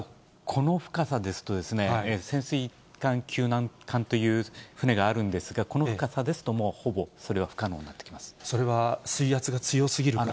この深さですと、潜水艦救難艦という船があるんですが、この深さですと、もうほぼそれは水圧が強すぎるから？